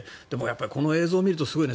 この映像を見ると、すごいね。